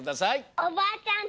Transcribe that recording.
おばあちゃんと。